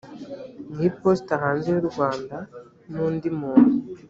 mu iposita hanze y u rwanda n undi muntu